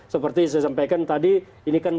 seperti saya sampaikan tadi ini kan